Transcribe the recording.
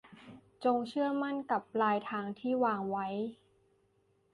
จงเชื่อมั่นกับปลายทางที่วางไว้